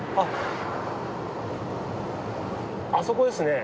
あそこですね。